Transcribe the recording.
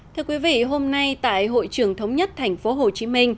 thưa quý vị hôm nay tại hội trưởng thống nhất tp hcm